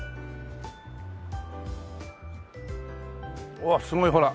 うわっすごいほら。